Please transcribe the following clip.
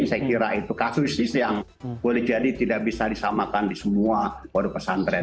saya kira itu kasus yang boleh jadi tidak bisa disamakan di semua produk pesantren